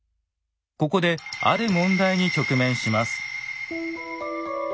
ここである問題に直面します。